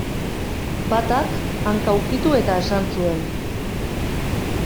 Batak, hanka ukitu eta esan zuen.